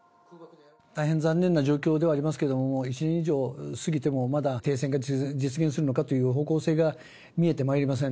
大変残念な状況ではありますけれども、１年以上過ぎても、まだ、停戦が実現するのかという方向性が見えてまいりません。